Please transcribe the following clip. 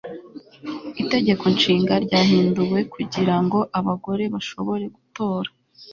Itegeko Nshinga ryahinduwe kugira ngo abagore bashobore gutora